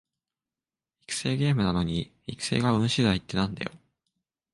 育成ゲームなのに育成が運しだいってなんだよ